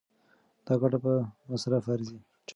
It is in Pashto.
دا ګټه په مصرف ارزي.